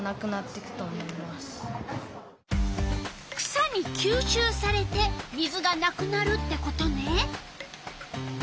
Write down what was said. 草にきゅうしゅうされて水がなくなるってことね。